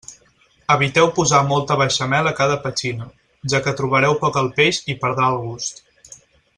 Eviteu posar molta beixamel a cada petxina, ja que trobareu poc el peix i perdrà el gust.